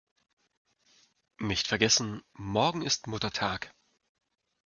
Nicht vergessen: Morgen ist Muttertag!